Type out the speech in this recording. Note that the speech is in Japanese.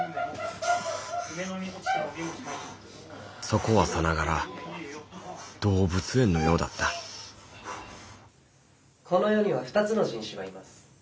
そこはさながら動物園のようだったこの世には２つの人種がいます。